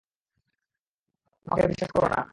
বাবা, তুমিও আমাকে বিশ্বাস করো না?